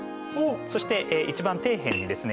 そして一番底辺にですね